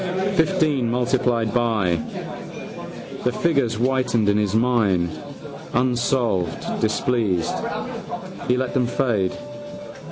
Fifteen multiplied by. The figures whitened in his mind, unsolved: displeased, he let them fade.